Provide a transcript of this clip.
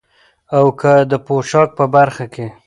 او که د پوشاک په برخه کې،